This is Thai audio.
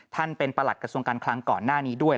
ท่านเป็นประหลัดกระทรวงการคลังก่อนหน้านี้ด้วย